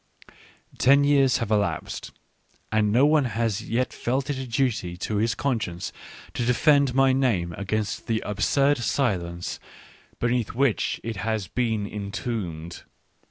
Ten years have elapsed, and no one has yet felt it a duty to his conscience to defend my name against the absurd silence beneath which it has been entombed.